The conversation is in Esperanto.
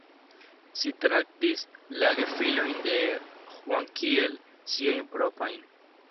Si traktis la gefilojn de Huang kiel siajn proprajn.